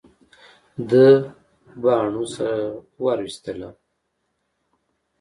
ده باڼه سره ور وستله.